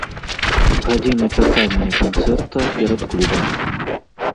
Гадзіны чакання канцэрта перад клубам.